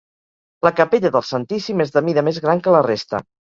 La capella del Santíssim és de mida més gran que la resta.